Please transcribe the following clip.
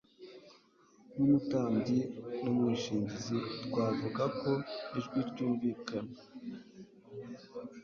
nk'Umutambyi n'Umwishingizi. Twavuga ko ijwi ryumv, ikana